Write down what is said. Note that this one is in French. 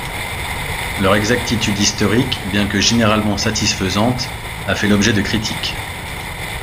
Leur exactitude historique, bien que généralement satisfaisante, a fait l'objet de critiques.